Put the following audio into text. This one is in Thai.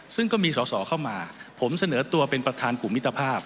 ซึ่งก็มีสอสอเข้ามาผมเสนอตัวเป็นประธานกลุ่มมิตรภาพ